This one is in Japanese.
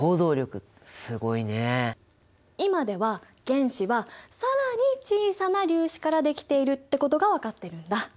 今では原子は更に小さな粒子からできているってことが分かってるんだ。